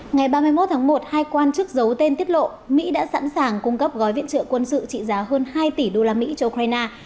ngày ba mươi một tháng một hai quan chức giấu tên tiết lộ mỹ đã sẵn sàng cung cấp gói viện trợ quân sự trị giá hơn hai tỷ đô la mỹ cho ukraine